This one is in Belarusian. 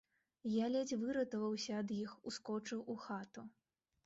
Я ледзь выратаваўся ад іх, ускочыў у хату.